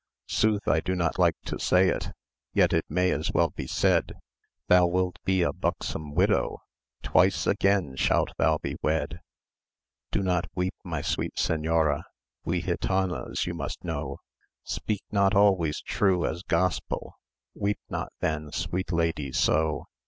Sooth, I do not like to say it, Yet it may as well be said; Thou wilt be a buxom widow; Twice again shalt thou be wed. Do not weep, my sweet senora; We gitanas, you must know, Speak not always true as gospel Weep not then sweet lady so.